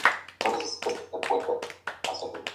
Amador Bueno y sus descendientes, por ejemplo.